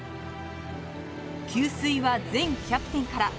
給水は前キャプテンから。